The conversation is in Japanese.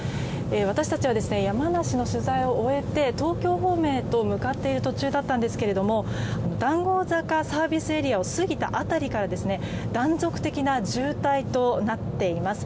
私たちは山梨の取材を終えて東京方面へと向かっている途中だったんですけれども談合坂ＳＡを過ぎた辺りから断続的な渋滞となっています。